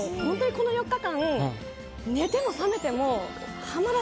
この４日間。